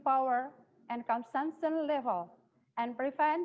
oke bisa anda melihat saya sekarang